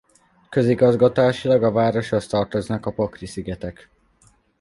Közigazgatásilag a városhoz tartoznak a Pakri-szigetek.